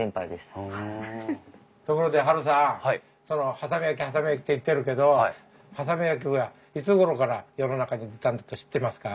波佐見焼波佐見焼って言ってるけど波佐見焼はいつごろから世の中に出たんだと知ってますか？